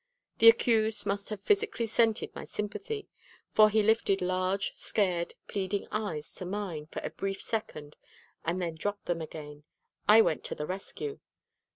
The accused must have psychically scented my sympathy, for he lifted large, scared, pleading eyes to mine for a brief second and then dropped them again. I went to the rescue.